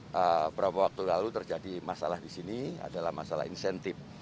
beberapa waktu lalu terjadi masalah di sini adalah masalah insentif